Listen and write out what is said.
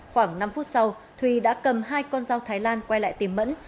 khoảng năm phút sau thùy đã cầm hai con dao thái lan quay lại tìm mẫn